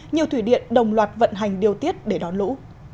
nhiều thủy điện đồng loạt vận hành điều tiết để đón lũ